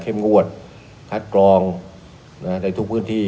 งวดคัดกรองในทุกพื้นที่